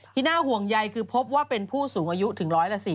น่าห่วงใยคือพบว่าเป็นผู้สูงอายุถึง๑๔๐